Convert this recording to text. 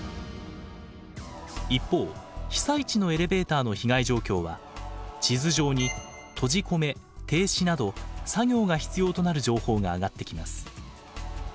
一方被災地のエレベーターの被害状況は地図上に「閉じ込め」「停止」など作業が必要となる情報が上がってきます。